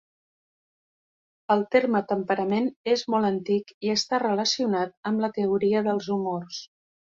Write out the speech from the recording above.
El terme temperament és molt antic i està relacionat amb la teoria dels humors.